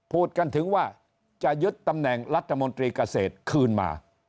พูดกันถึงว่าจะยึดตำแหน่งรัฐมนตรีเกษตรคืนมา